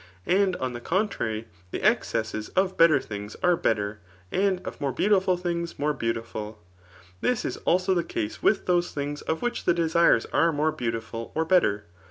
And on the contrary, the excesses of better dungs are better ; and of more beautiful things more •beautiful. This is also the case with those things of which the desires are more beautiful or better.